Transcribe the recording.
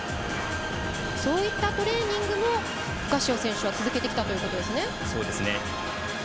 そういったトレーニングもガシオ選手は続けてきたということですね。